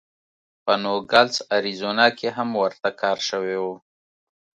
په نوګالس اریزونا کې هم ورته کار شوی و.